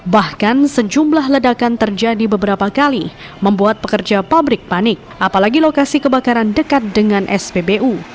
bahkan sejumlah ledakan terjadi beberapa kali membuat pekerja pabrik panik apalagi lokasi kebakaran dekat dengan spbu